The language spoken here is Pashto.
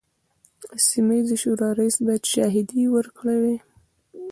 د سیمه ییزې شورا رییس باید شاهدې ورکړي وای.